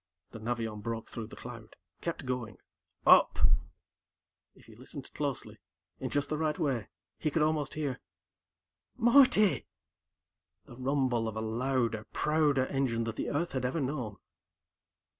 The Navion broke through the cloud, kept going. "Up." If he listened closely, in just the right way, he could almost hear ... "Marty!" ... the rumble of a louder, prouder engine than the Earth had ever known.